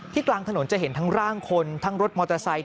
กลางถนนจะเห็นทั้งร่างคนทั้งรถมอเตอร์ไซค์